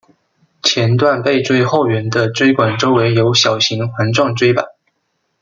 前段背椎后缘的椎管周围有小型环状椎版。